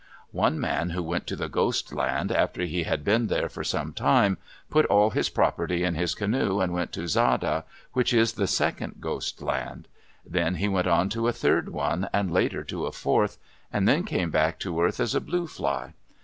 One man who went to the Ghost Land, after he had been there for some time, put all his property in his canoe and went to Xada, which is the second Ghost Land. Then he went on to a third one, and later to a fourth, and then came back to earth as a blue fly.